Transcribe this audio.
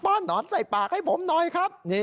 ้อนหนอนใส่ปากให้ผมหน่อยครับ